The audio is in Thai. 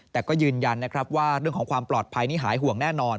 แต่ก็ยืนยันนะครับว่าเรื่องของความปลอดภัยนี่หายห่วงแน่นอน